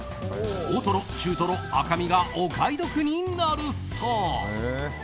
大トロ、中トロ、赤身がお買い得になるそう。